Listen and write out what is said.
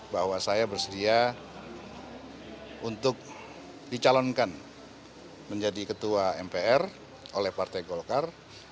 bahwa saya bersedia untuk dicalonkan menjadi ketua mpr oleh partai golkar